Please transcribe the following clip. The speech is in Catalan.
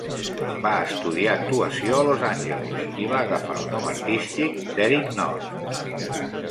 Va estudiar actuació a Los Àngeles i va agafar el nom artístic d'Eric Nord.